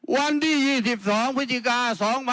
วันที่๒๒พฤศจิกา๒๕๖๒